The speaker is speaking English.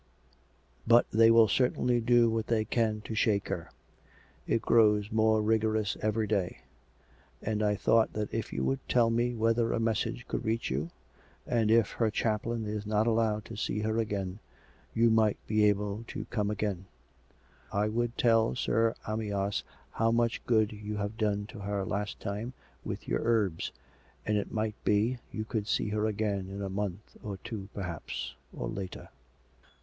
But they will certainly do what they can to shake her. It grows more rigorous every day. And I thought, that if you would tell me whether a message could reach you, and if her chaplain is not allowed to see her again, you might be COME RACK! COME ROPE! 315 able to come again, I would tell Sir Amyas how much good you had done to her last time, with your herbs; and, it might be, you could see her again in a month or two per haps — or later."